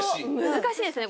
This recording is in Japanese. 難しいですね。